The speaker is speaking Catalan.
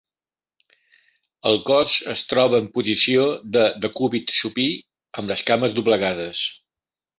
El cos es troba en posició de decúbit supí amb les cames doblegades.